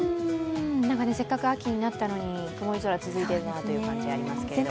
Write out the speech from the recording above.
せっかく秋になったのに曇り空続いているなという感じがしますけれども。